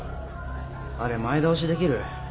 あれ前倒しできる？